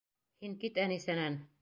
Һин кит Әнисәнән!